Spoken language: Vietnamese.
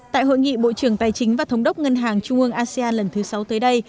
tại hội nghị bộ trưởng tài chính và thống đốc ngân hàng trung ương asean lần thứ sáu tới đây